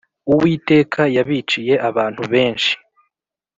Uwiteka yabiciye abantu benshi